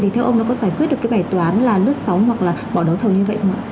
thì theo ông nó có giải quyết được cái bài toán là lớp sáu hoặc là bỏ đấu thầu như vậy không ạ